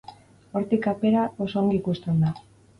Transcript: Hortik kapera oso ongi ikusten da.